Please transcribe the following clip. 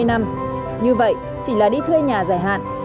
như vậy chỉ là đi thuê nhà dài hạn